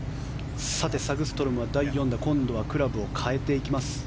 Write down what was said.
さて、サグストロムは第４打。今度はクラブを変えていきます。